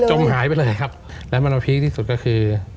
หายไปเลยครับแล้วมันมาพีคที่สุดก็คือ